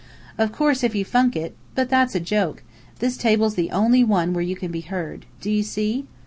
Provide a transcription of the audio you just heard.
Of course if you funk it but that's a joke! This table's the only one where you can be heard. Do you see?"